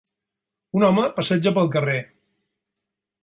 Un home passeja pel carrer.